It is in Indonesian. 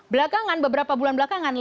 belakangan beberapa bulan belakangan